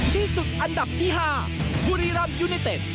ที่สุดอันดับที่๕บุรีรำยูไนเต็ด